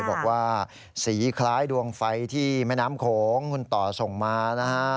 บอกว่าสีคล้ายดวงไฟที่แม่น้ำโขงคุณต่อส่งมานะฮะ